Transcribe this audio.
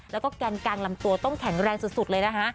แล้วก็แกนกลางลำตัวต้องแข็งแรงสุดเลยนะคะ